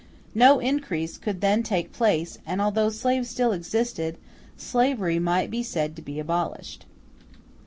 No increase could then take place, and although slaves still existed, slavery might be said to be abolished.